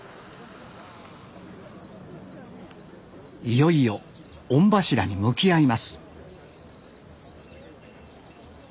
いよいよ御柱に向き合います